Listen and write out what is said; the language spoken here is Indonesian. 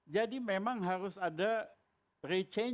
jadi memang harus ada re changing